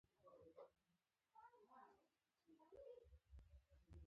موږ خپل کور پاک کړ.